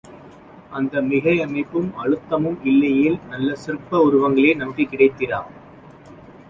அந்த மிகை அமைப்பும், அழுத்தமும் இல்லையேல், நல்ல சிற்ப உருவங்களே நமக்குக் கிடைத்திரா.